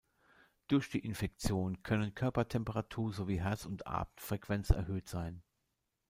Durch die Infektion können Körpertemperatur sowie Herz- und Atemfrequenz erhöht sein.